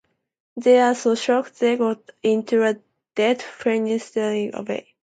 They are so shocked they go into a dead faint straight away.